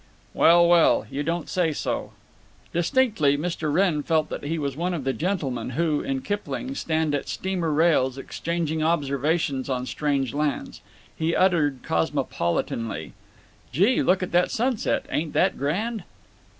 "Well, well! You don't say so!" Distinctly, Mr. Wrenn felt that he was one of the gentlemen who, in Kipling, stand at steamer rails exchanging observations on strange lands. He uttered, cosmopolitanly: "Gee! Look at that sunset. Ain't that grand!"